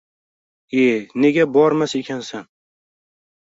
— E, nega bormas ekansan?..